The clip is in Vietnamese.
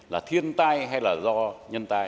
là thiên tai hay là do nhân tai